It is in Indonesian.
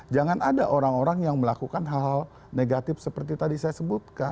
jangan ada orang orang yang melakukan hal hal negatif seperti tadi saya sebutkan